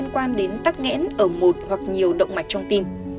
quan đến tắc nghẽn ở một hoặc nhiều động mạch trong tim